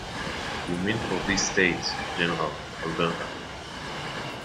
You mean for this State, General, Alberta.